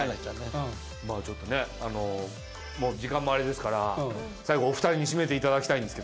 まあちょっとねあのもう時間もあれですから最後お二人に締めていただきたいんですけども。